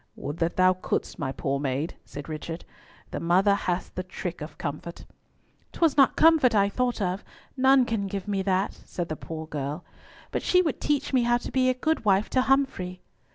"Would that thou couldst, my poor maid," said Richard. "The mother hath the trick of comfort." "'Twas not comfort I thought of. None can give me that," said the poor girl; "but she would teach me how to be a good wife to Humfrey."